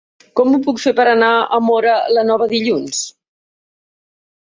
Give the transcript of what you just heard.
Com ho puc fer per anar a Móra la Nova dilluns?